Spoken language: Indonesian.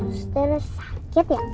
sus terlalu sakit ya